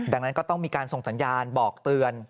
ดังนั้นก็ต้องมีการส่งสัญญาณบอกเตือน